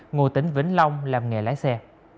ngôi tỉnh vĩnh long làm nghề lái xe